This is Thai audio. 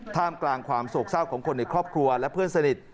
ท่ามกลางความโศกเศร้าของคนในครอบครัวและเพื่อนสนิท